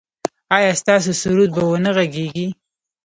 ایا ستاسو سرود به و نه غږیږي؟